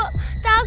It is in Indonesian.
ya udah pak